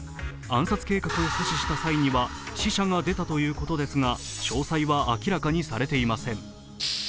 暗殺計画を阻止した際には死者が出たということですが詳細は明らかにされていません。